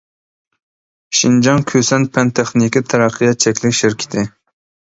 شىنجاڭ كۈسەن پەن-تېخنىكا تەرەققىيات چەكلىك شىركىتى.